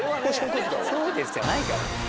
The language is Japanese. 「そうです」じゃないから。